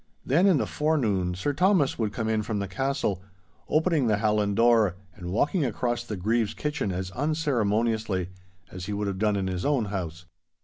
Then in the forenoon Sir Thomas would come in from the castle, opening the hallan door and walking across the Grieve's kitchen as unceremoniously as he would have done in his own house.